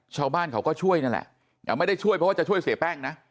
ชาวบ้านเขาก็ช่วยนั่นแหละไม่ได้ช่วยเพราะว่าจะช่วยเสียแป้งนะ